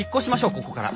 ここから。